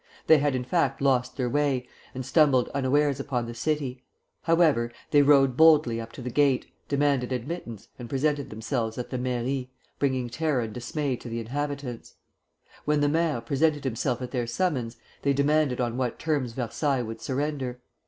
They had in fact lost their way, and stumbled unawares upon the city; however, they rode boldly up to the gate, demanded admittance, and presented themselves at the mairie, bringing terror and dismay to the inhabitants. When the maire presented himself at their summons, they demanded on what terms Versailles would surrender?